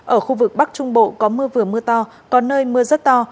ở khu vực bắc trung bộ có mưa vừa mưa to có nơi mưa rất to